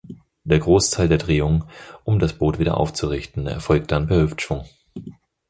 Der Großteil der Drehung, um das Boot wieder aufzurichten, erfolgt dann per Hüftschwung.